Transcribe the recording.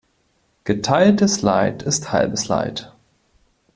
Geteiltes Leid ist halbes Leid.